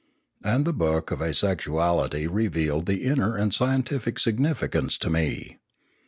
And the book of Asexuality revealed the inner and scientific significance to me.